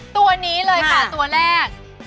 ตัวนี้เลยค่ะตัวแรก